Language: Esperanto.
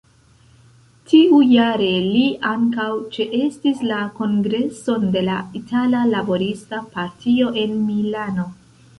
Tiujare li ankaŭ ĉeestis la kongreson de la Itala Laborista Partio en Milano.